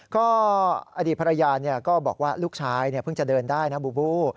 ก็อดีตภรรยาก็บอกว่าลูกชายเพิ่งจะเดินได้นะบูบู